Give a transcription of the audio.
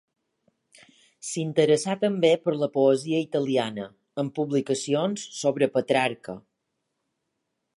S'interessà també per la poesia italiana, amb publicacions sobre Petrarca.